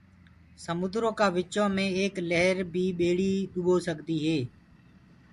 سموندرو ڪآ وچو مي ايڪ لهر بي ٻيڙي ڏُٻو سڪدي هي۔